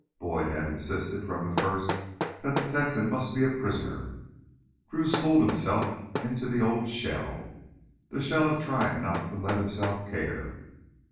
Boyd had insisted from the first that the Texan must be a prisoner. Drew schooled himself into the old shell, the shell of trying not to let himself care.